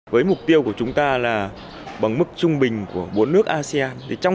với mục tiêu của chúng ta là bằng mức trung bình của bốn nước asean